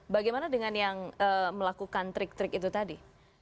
bagaimana dengan yang melakukan trik trik itu tadi